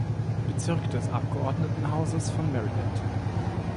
Bezirk des Abgeordnetenhauses von Maryland.